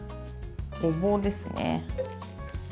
ごぼうですね。